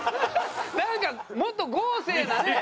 なんかもっと豪勢なね。